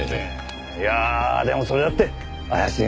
いやでもそれだって怪しいもんですよ。